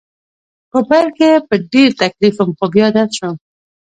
په پیل کې په ډېر تکلیف وم خو بیا عادت شوم